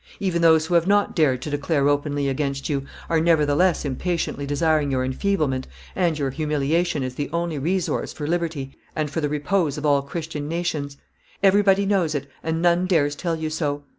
Even those who have not dared to declare openly against you are nevertheless impatiently desiring your enfeeblement and your humiliation as the only resource for liberty and for the repose of all Christian nations. Everybody knows it, and none dares tell you so.